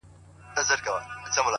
توپونو وراني کړلې خوني د قلا برجونه؛